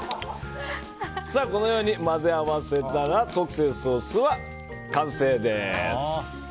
このように混ぜ合わせたら特製ソースは完成です。